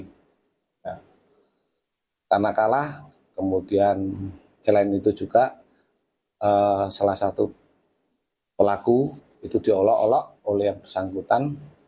karena kalah kemudian selain itu juga salah satu pelaku itu diolok olok oleh yang bersangkutan